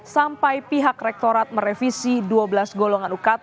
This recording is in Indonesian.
sampai pihak rektorat merevisi dua belas golongan ukt